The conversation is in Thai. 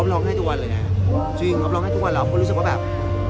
อบร้องให้ตัววันเลยน่ะจริงอบร้องให้ตัววันแล้วคนรู้สึกว่าแบบ